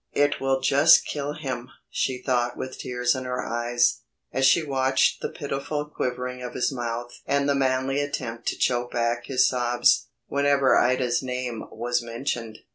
"It will just kill him!" she thought with tears in her eyes, as she watched the pitiful quivering of his mouth and the manly attempt to choke back his sobs, whenever Ida's name was mentioned.